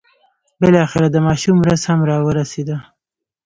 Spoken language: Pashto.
بالاخره د ماشوم ورځ هم را ورسېده.